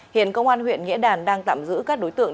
hiện công an huyện nghĩa đàn đang tạm giữ các đối tượng